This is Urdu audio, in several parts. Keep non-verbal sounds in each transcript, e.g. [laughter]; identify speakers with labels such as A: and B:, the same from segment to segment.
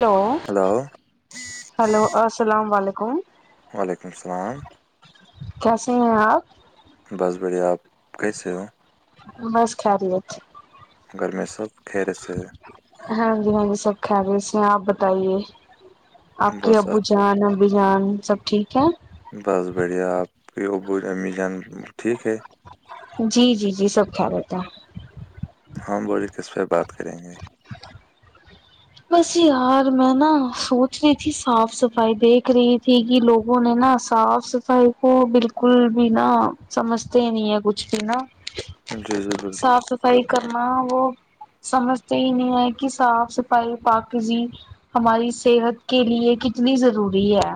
A: ہیلو
B: ہلو
A: ہلو السلام علیکم
B: وعلیکم السلام
A: کیسے ہیں آپ
B: بس بڑھیا آپ کیسے ہو
A: بس خیال یہ
B: گھر میں سب کیر سے
A: ہاں جی ہاں جی سب خ بھی اس میں آپ بتائیے آپ کے
B: بس
A: ابو ان ابھی جان سب ٹھیک ہے
B: بس بڑھیا آپ کی ابو امی جان ٹھیک ہے
A: جی جی جی سب کھا رہتا ہے
B: ہماں بوولے کس پہ بات کریں گے
A: بس یار میں نا سوچ رہی تھی صاف صفائی دیکھ رہی تھی کہ لوگوں نے نا صاف صف صفائی کو بالکل بھی نا سمجھتے نہیں ہے کچھ بھی نا
B: جی جی
A: صاف
B: بالکل
A: صفائی کرنا وہ سمجھتے ہی نہیں ہےئے کہ صاف پ پاک جی ہماری صحت کے لیے کتنی ضروری ہے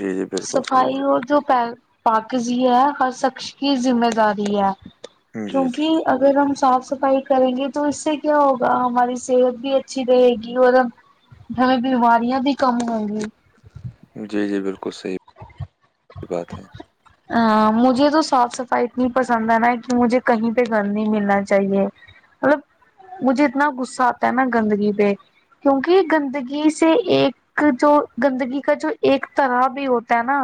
B: جی جی بالکل
A: صفائی
B: صحیح
A: اور دوپہر پاک جی ہے ہر شخص کی ذمہ داری ہے
B: جی جی
A: کیونکہ اگر ہم صاف صفائی کریں گے تو اس سے کیا ہوگا ہماری صحت بھی اچ اچھی رہے گی اور ہمیں بیماریا بھی کم ہووں گی
B: جی جی بالکل صحیح بات ہے
A: ہ مجھے تو صاف صفائی اتنی پسند ہے نا کہ مجھے کہیں پہ گھر نہیں ملنا چاہیے مطلب مجھے اتنا غصہ آتا ہے نا گندگی پہ کیونکہ گندگی سے ایک جو گندگی کا جو ایک طرح بھی ہوتا ہے نا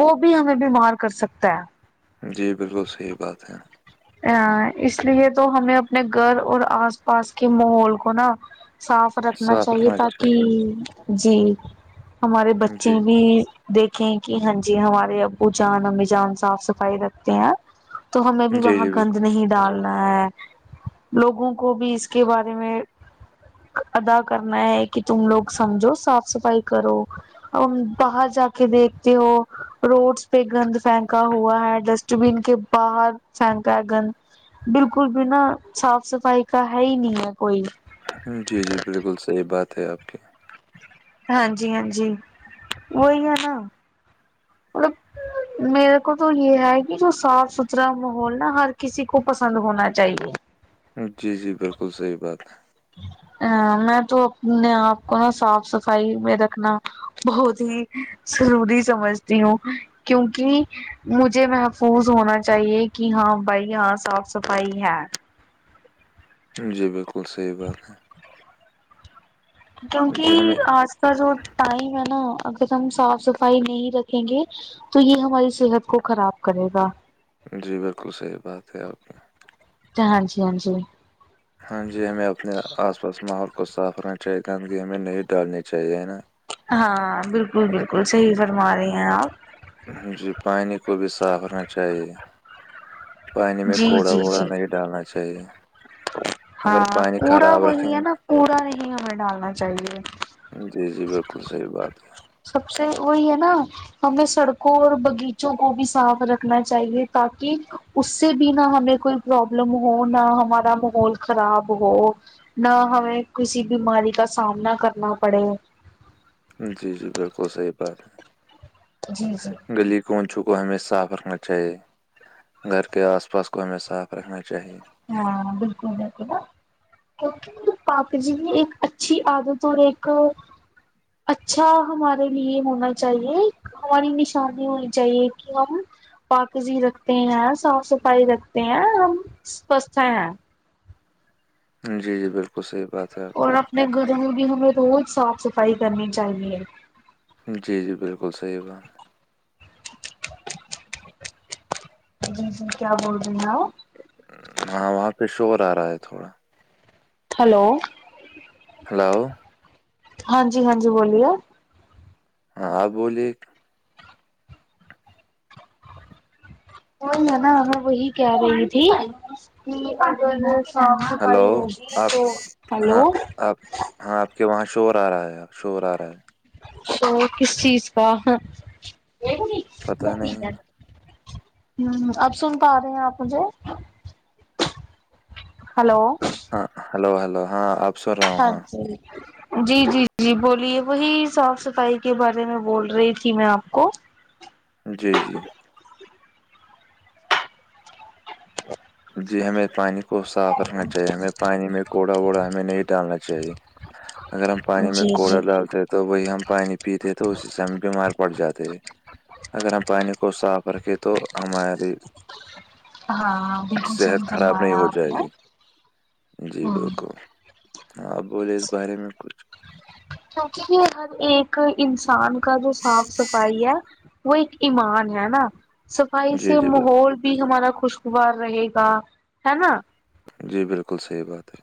A: وہ بھی ہمیں بیمار کر سکتا ہے
B: جی بالکل صحیح بات ہے
A: ا اس لیے تو ہمیں اپنے گھر اور آس پاس کے ماحول کو نا صاف رکھنا چاہیے تاکہ جی ہمارے بچے
B: جی
A: بھی دیکھیں کہ ہاں جی ہمارے ابو جان امی جان صاف صفائی رکھتے ہیں تو ہمیں بھی
B: جی
A: وہاں
B: جی
A: پہ
B: بالکل
A: نہیں ڈالنا ہے لوگوں کو بھی اس کے بارے میں ادا کرنا ہے کہ تم لوگ سمجھو صاف صفائی کرو باہر جا کے دیکھتے ہو روڈس پہ گند پھینکا ہوا ہے ڈسٹ بین کے باہر فھیکا گن بالکل بھی نہ صاف صفائی کا ہے ہی نہیں ہے کوئی
B: جی جی بالکل صحیح بات ہے آپ کی
A: ہاں جی ہاں جی وہی ہے نا مطلب میرے کو تو یہ ہے کہ جو صاف ستھرا ماحول نا ہر کسی کو پسند ہونا چاہیے
B: جی جی بالکل صحیح بات ہے
A: ا میں تو اپنے آپ کو نا صاف صفائی میں رکھنا بہت ہی ضری سمجھتی ہوں کیونکہ مجھے محفوظ ہونا چاہیے کہ ہاں بھائی یہاں صاف صفائی ہے
B: جی بالکل صحیح بات ہے ہے جی ہمیں
A: کیونکہ آج کا جو ٹائم ہے نا اگر ہم صاف صفائی نہیں رکھیں گے تو یہ ہماری صحت کو خراب کرے گا
B: جی بالکل صحیح بات ہے آپ کے یہاں
A: ہاں جی ہاں جی
B: ہاں جی ہمیں اپنے آس پاس ماحول کو صاف رکھنا چاہیے گندگی ہمیں نہیں ڈالنی چاہیے نا
A: ہاں بالکل بالکل صحیح فرما رہے ہیں آپ
B: جی پانی کو بھی صاف رنا چاہیے پانی میں
A: جی
B: کوڑا
A: جی
B: ووڑا
A: جی
B: نہیں ڈالنا چاہیے اگر
A: ہاں
B: پانی
A: کوڑا
B: خراب رکھیں
A: وہی
B: گے
A: ہے نا کوڑا نہیں ہمیں ڈالنا چاہیے
B: جی جی بالکل صحیح بات ہے
A: سب سے وہی ہے نا ہمیں سڑکوں اور باغیچوں کو بھی صاف رکھنا چاہیے تاکہ اس سے بھی نہ ہمیں کوئی پرابلم ہو نہ ہمارا ماحول خراب ہو نہ ہمیں کسی بیماری کا سامنا کرنا پڑے
B: جی جی بالکل صحیح بات ہے
A: جی جی
B: گلی کوونچو کو ہمیں صاف رکھنا چاہیے گھر کے آس پاس کو ہمیں صاف رکھنا چاہیے
A: ہاں بالکل بالکل کیکہ پاپ جی نے ایک اچھی عادت اور ایک اچھا ہمارے لیے ہونا چاہیے ہماری نشانی ہونی چاہیے کی پاکزی رکھتے ہیں صاف صفائی رکھتے ہیں ہم سچھ ہیں
B: جی جی بالکل صحیح بات ہے آپ کے
A: اور
B: یہاں
A: اپنے میں گ رہوں گ ہمیں روز صاف صفائی کرنی چاہیے
B: جی جی بالکل صحیح با
A: جی جی کیا بول رہی ہیں آ
B: ہاں وہاں پہ شور آ رہا ہے تھوڑا
A: ہیلو
B: ہلو
A: ہاں جی ہاں جی بولیے
B: ہاں ہاں بولیے
A: میں نا ہاں وہی کہہ رہی تھی شام
B: ہلو
A: پائی ہوگی
B: آپ
A: تو ہلو
B: ہاں آپ ہاں آپ کے وہاں شور آ رہا ہے شور آ رہا ہے
A: کس چیز کا
B: پتہ نہیں
A: ہ اب سن پا رہے ہیں آپ مجھے ہلو
B: ہاں ہلو ہلو ہاں سن رہا ہوں
A: ہاں جی جی جی جی بولیے وہی صاف صفائی کے بارے میں بول رہی تھی میں آپ کو
B: جی جی
A: [inaudible]
B: جی ہمیں پانی کو صاف رکھنا چاہیے ہمیں پانی میں کوڑا ووڑا ہمیں نہیں ڈالنا چاہیے
A: [inaudible]
B: اگر ہم پانی میں
A: جی جی
B: کوڑا ڈالتے ہیں تو وہی ہم پانی پیتے ہیں تو اسی سے ہم بیمار پڑ جاتے اگر ہم پانی کو صاف رکھیں تو ہماری
A: ہاں بالکل
B: صحت
A: صحیح
B: خراب نہیں
A: فرمایا
B: ہو
A: آپ
B: جائے
A: نے
B: گی جی
A: ہوں
B: بالکل ہاں بولے اس بارے میں کچھ
A: کیونکہ یہ ہر ایک انسان کا جو صاف صفائی ہے وہ ایک ایمان ہے نا صفائی
B: جی
A: سے
B: جی بالکل
A: ماحول بھی ہمارا خوش ار رہے گا ہے نا
B: جی بالکل صحیح بات ہے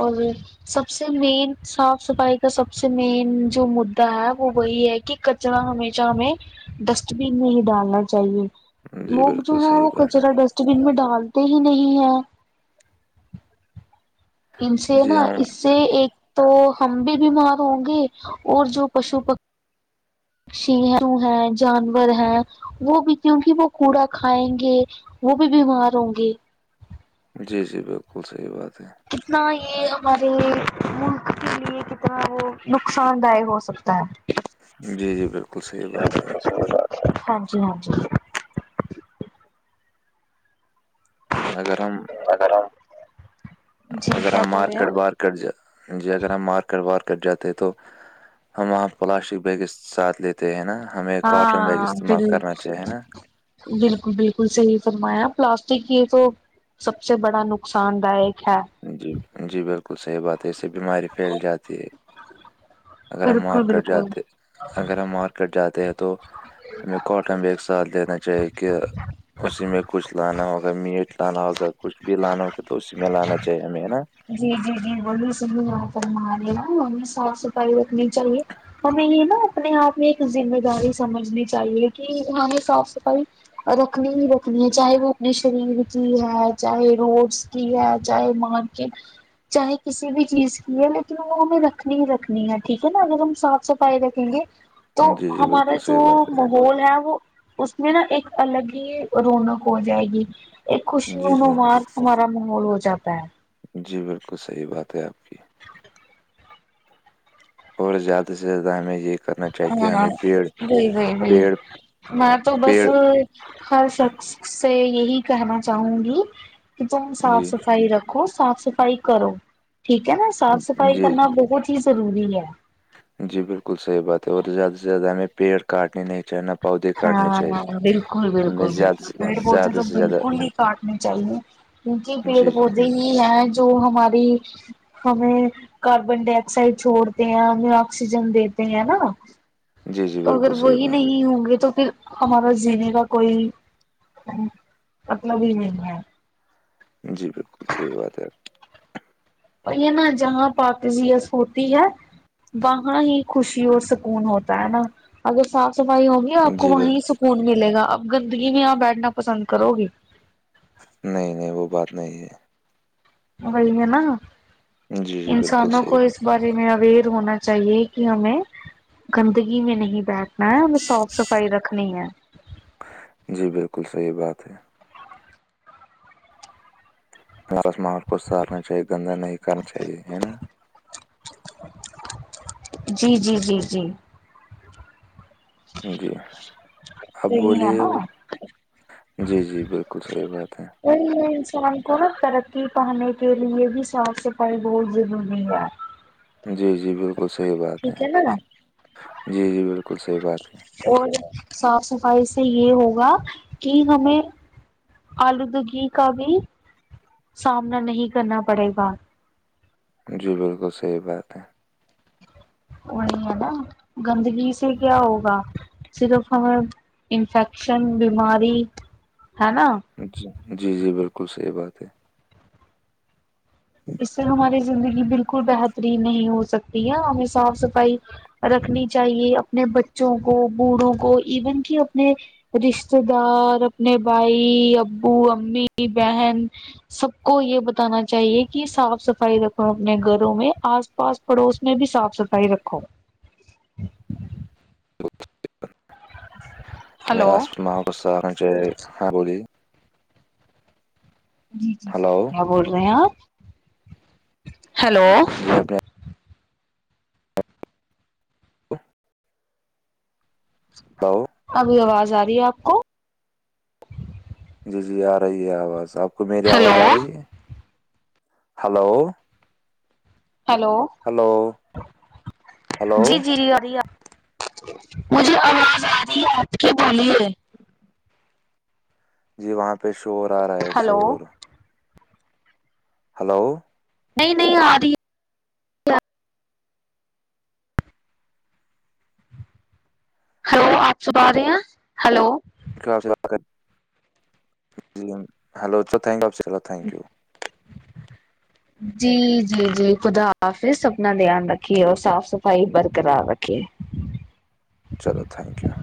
A: اور بھی سب سے مین صاف صفائی کا سب سے مین جو مدا ہے وہ وہی ہے کہ ر ہمیشہ ہمیں ڈسٹ بین میں ہی ڈالنا چاہیے
B: ہے جی
A: لوگ جو
B: بالکل
A: ہے
B: صحیح
A: وہ
B: بات
A: کچرا
B: ہے
A: ڈسٹ بین میں ڈالتے ہی نہیں ہے ان سے نا
B: جی ہم
A: اس سے ایک تو ہم بھی بیمار ہوں گے اور جو پشو پ پکشی ہیں ہیں جانور ہیں وہ بھی کیونکہ وہ کوڑا کھائیں گے وہ بھی بیمار ہوں گے
B: جی جی بالکل صحیح بات ہے
A: کتنا یہ ہمارے ملک کے لیے کتنا وہ نقصان دہ ہو سکتا
B: ہے جی جی بالکل صحیح بات ہے آپ
A: ہاں جی ہاں جی
B: اگر ہم
A: جی کیا بول رہے آپ
B: کٹ جا ج اگر ہم مار کروار کٹ جاتے تو ہم وہاں پلاسٹک بیگ ساتھ لیتے ہیں نا ہمیں کاٹن بیگ
A: ہاں
B: استعمال
A: بال
B: کرنا چاہے نا
A: بالکل بالکل صحیح فرمایا پلاسٹک یہ تو سب سے بڑا نقصان دائک ہے
B: جی جی بالکل صحیح بات ہے اس سے بیماری پھیل جاتی ہے
A: [inaudible]
B: اگر ہم
A: بالکل
B: مارکیٹ
A: بالکل
B: جاتے اگر ہم مارکیٹ جاتے ہیں تو ہمیں کاٹن بھی ایک ساتھ دینا چاہیے کہ اسی میں کچھ لانا ہوگا میٹ لانا ہوگا کچھ بھی لانا ہوگا تو اسی میں لانا چاہیے ہمیں ہے نا
A: جی جی جی بے س یہاں پر ہم رہے نا ہمیں صاف صفائی رکھنی چاہیے ہمیں یہ نا اپنے آپ میں ایک ذمہ داری سمجھنی چاہیے کہ ہمیں صاف صفائی رکھنی ہی رکھنی ہے چاہے وہ اپنے شریر کی ہے چاہے روڈس کی ہے چاہے مارکیٹ چاہے کسی بھی چیز کی ہے لیکن وہ ہمیں رکھنی ہی رکھنی ہے ٹھیک ہے نا اگر ہم صاف صفائی رکھیں گے تو
B: جی جی
A: ہمارا
B: بالکل
A: جو
B: صحیح بات
A: ماحول ہے وہ اس میں نا ایک الگ ہی رونق ہو جائے گی ایک خوش
B: ہے جی جی
A: نونمار ہمارا ماحول ہو جاتا ہے
B: جی بالکل صحیح بات ہے آپ کی اور زیادہ سے زیادہ ہمیں یہ کرنا چاہیے کہ
A: ہاں
B: ہمیں پیڑ
A: وہئی گئی بھایی
B: پیڑ
A: میں تو بس
B: پیڑ
A: ہر شخص سے یہی کہنا چاہوں گی کہ تم صاف
B: جی
A: صفائی رکھ رکھو صاف صفائی کرو ٹھیک ہے نا صاف صفائی
B: جی
A: کرنا بہت ہی ضروری ہے
B: جی بالکل صحیح بات ہے اور زیادہ سے زیادہ ہمیں پیڑ کاٹنے نہیں چاہیے نہ پودے کاٹنے
A: ہاں
B: چاہیے
A: بالکل
B: ہمیں
A: بالکل
B: زیادہ
A: بکل
B: سے
A: پیڑ پودے
B: زیادہ
A: تو
B: سے زیادہ
A: بالکل نہیں کاٹنے چاہیے کیونکہ پیڑ
B: جی جی
A: پودے ہی ہیں جو ہماری ہمیں کاربن ڈائی آکسائڈ چھوڑتے ہیں ہمیں آکسیجن دیتے ہیں نا
B: جی جی
A: تو اگر
B: بالکل صحیح
A: وہی
B: بات
A: نہیں ہوں گے تو پھر ہمارا جینے کا کوئی مطلب ہی نہیں ہے
B: جی بالکل صحیح بات ہے آپ‌ کی
A: وہی نا جہاں پاکزیس ہوتی ہے وہاں ہی خوشی اور سکون ہوتا ہے نا اگر صاف صفائی ہوگی آپ کو
B: جی
A: وہیں
B: بالکل
A: سکون ملے گا اب گندگی میں یہاں بیٹھنا پسند کرو گی
B: نہیں نہیں وہ بات نہیں ہے
A: وہی ہے نا
B: ہے جی جی بالکل
A: انسانوں
B: صحیح
A: کو اس بارے میں اوئر ہونا چاہیے کہ ہمیں گندگی میں نہیں بیٹھ نا ہے ہمیں صاف صفائی رکھنی ہے
B: جی بالکل صحیح بات ہے ہر ایک ماحول کو سارنا چاہیے گندا نہیں کرنا چاہیے ہے نا
A: جی جی جی جی
B: جی آپ
A: یہی ہے
B: بولیے
A: نا
B: اور جی جی بالکل صحیح بات ہے
A: یہ ہے انسان کو ترقی پانے کے لیے بھی صاف صفائی بہت ضروری ہے
B: جی جی بالکل صحیح بات ہے
A: ٹھیک نا
B: جی جی بالکل صحیح بات ہے
A: اور صاف صفائی سے یہ ہوگا کہ ہمیں آلودگی کا بھی سامنا نہیں کرنا پڑے گا
B: جی بالکل صحیح بات ہے
A: وہی ہے نا گندگی سے کیا ہوگا صرف ہمیں انفیکشن بیماری ہے نا
B: جی جی جی بالکل صحیح بات ہے
A: اس سے ہماری زندگی بالکل بہترین نہیں ہو سکتی ہے ہمیں صاف صفائی رکھنی چاہیے اپنے بچوں کو بوڑھوں کو ایون کہ اپنے رشتے دار اپنے بھائی ابو امی بہن سب کو یہ بتانا چاہیے کہ کہ صاف صفائی رکھو اپنے گھروں میں آس پاس پڑوس میں بھی صاف صفائی رکھو ہلو
B: آ م کس ہاں بولی
A: جی جی جی
B: ہلو
A: کیا بول رہے ہیں آپ ہلو
B: جی اپنے
A: [inaudible]
B: [unintelligible]
A: ابھی آواز آ رہی ہے آپ کو
B: جی جی آ رہی ہے آواز آپ کو میری
A: ہلو
B: آواز آ رہی ہے ہلو
A: ہیلو
B: ہلو ہلو
A: جی جی جی آرہی ہے مجھے آواز آ رہی آپ کی بولیے
B: جی وہاں پہ شور آ رہا ہے
A: ہلو
B: شور ہلو
A: نہیں نہیں آ رہی ہلو آپ سب آ رہے ہیں ہلو
B: آپ سے جی ہلولو تھینک یو آپ سےلو تھینک یو
A: جی جی جی خدا حافظ اپنا دھیان رکھیے اور صاف صفائی برقرار رکھیے
B: چلو تھینک یو